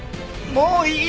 もういい？